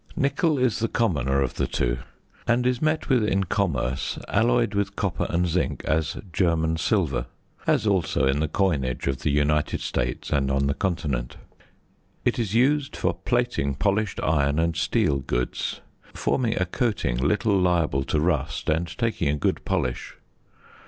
Nickel is the commoner of the two, and is met with in commerce alloyed with copper and zinc as German silver; as also in the coinage of the United States and on the Continent. It is used for plating polished iron and steel goods, forming a coating little liable to rust and taking a good polish.